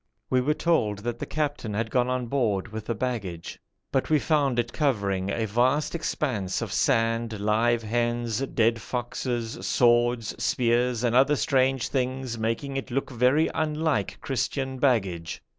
We were told that the captain had gone on board with the baggage, but we found it covering a vast expanse of sand, live hens, dead foxes, swords, spears, and other strange things making it look very unlike Christian baggage.